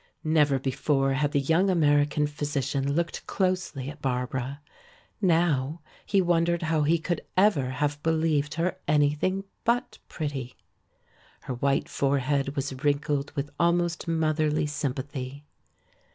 Never before had the young American physician looked closely at Barbara. Now he wondered how he could ever have believed her anything but pretty. Her white forehead was wrinkled with almost motherly sympathy.